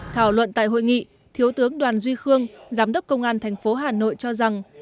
thảo luận tại hội nghị thiếu tướng đoàn duy khương giám đốc công an tp hà nội cho rằng